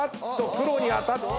黒に当たって。